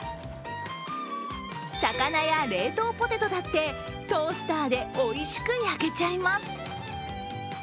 魚や冷凍ポテトだってトースターでおいしく焼けちゃいます。